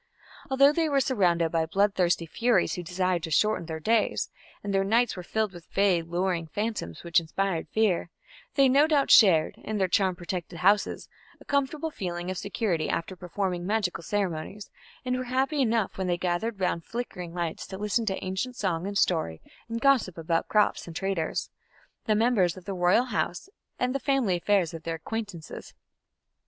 Although they were surrounded by bloodthirsty furies who desired to shorten their days, and their nights were filled with vague lowering phantoms which inspired fear, they no doubt shared, in their charm protected houses, a comfortable feeling of security after performing magical ceremonies, and were happy enough when they gathered round flickering lights to listen to ancient song and story and gossip about crops and traders, the members of the royal house, and the family affairs of their acquaintances.